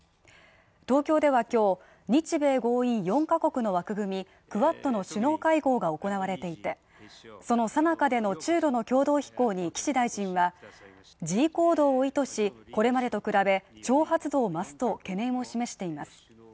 東京では今日、日米豪印４カ国の枠組み、クアッドの首脳会合が行われていてそのさなかでの中ロの共同飛行に岸大臣は、示威行動を意図し、これまでと比べ挑発度を増すと懸念を示しています。